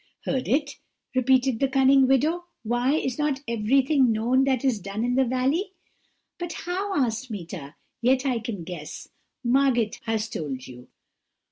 "'Heard it!' repeated the cunning widow; 'why, is not everything known that is done in the valley?' "'But how?' asked Meeta; 'yet I can guess: Margot has told you.